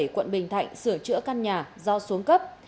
quận bình thạnh sửa chữa căn nhà do xuống cấp